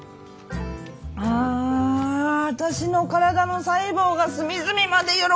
あ私の体の細胞が隅々まで喜んじゃってます！